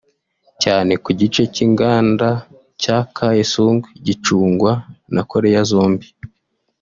cyane ku gice cy’inganda cya Kaesong gicungwa na Korea zombi